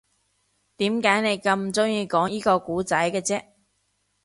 點解你咁鍾意講依個故仔嘅啫